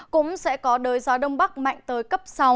cũng sẽ có đới gió đông bắc mạnh tới cấp sáu